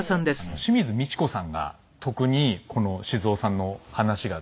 清水ミチコさんが特にこの静夫さんの話が大好きなので。